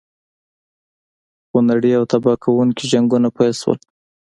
خونړي او تباه کوونکي جنګونه پیل شول.